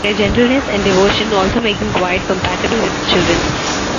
Their gentleness and devotion also make them quite compatible with children.